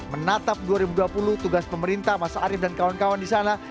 menatap dua ribu dua puluh tugas pemerintah mas arief dan kawan kawan di sana